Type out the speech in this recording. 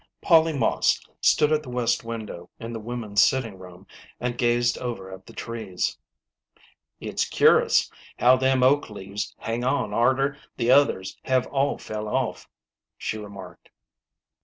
Polly Moss stood at the west window in the women's 6 82 SISTER LIDDY. sitting room and gazed over at the trees. " It's cur'us how them oak leaves hang on arter the others have all fell off," she remarked.